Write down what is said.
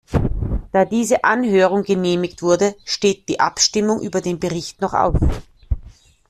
Da diese Anhörung genehmigt wurde, steht die Abstimmung über den Bericht noch aus.